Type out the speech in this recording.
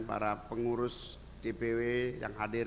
para pengurus dpw yang hadir